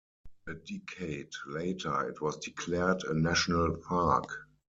A decade later it was declared a national park.